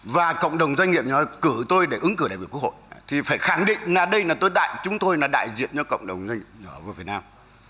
và cộng đồng doanh nghiệp nhỏ cử tôi để ứng cử đại biểu quốc hội thì phải khẳng định là đây là chúng tôi là đại diện cho cộng đồng doanh nghiệp nhỏ và vừa việt nam